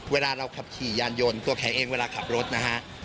เวลาเราขับขี่ยานยนต์ตัวแขเองเวลาขับรถนะฮะ